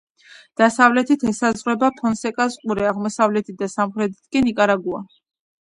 დასავლეთით ესაზღვრება ფონსეკას ყურე, აღმოსავლეთით და სამხრეთით კი ნიკარაგუა.